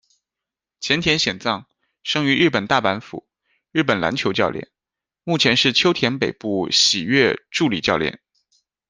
前田显蔵，生于日本大阪府，日本篮球教练，目前是秋田北部喜悦助理教练。